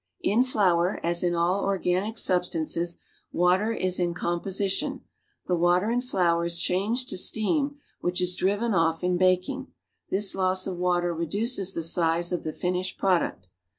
In flour, as in all organic substances, water is in composi tion ; the water in flour is changed to steam which is dri\'en off in baking; this loss of water reduces the size of the finished product.